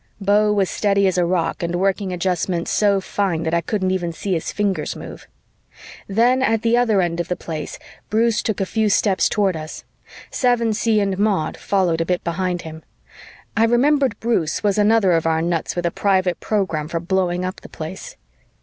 Beau was steady as a rock and working adjustments so fine that I couldn't even see his fingers move. Then, at the other end of the Place, Bruce took a few steps toward us. Sevensee and Maud followed a bit behind him. I remembered Bruce was another of our nuts with a private program for blowing up the place.